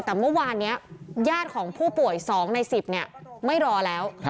แต่เมื่อวานนี้ญาติของผู้ป่วย๒ใน๑๐ไม่รอแล้ว